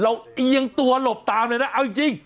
เราเอียงตัวหลบตามเลยเนี่ยเอาจริง